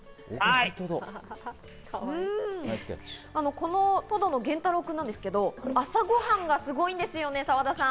このトドの玄太郎くんなんですけれども朝ごはんがすごいんですよね、澤田さん。